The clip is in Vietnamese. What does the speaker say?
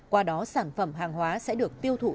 qua đó sản phẩm hàng hóa sẽ được tiêu thụ